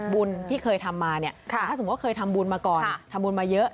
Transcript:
บุญที่เคยทำมาเนี่ยถ้าสมมุติเคยทำบุญมาก่อนทำบุญมาเยอะ